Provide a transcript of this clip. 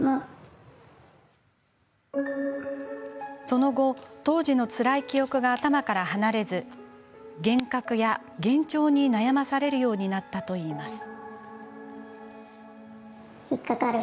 その後、当時のつらい記憶が頭から離れず幻覚や幻聴に悩まされるようになったといいます。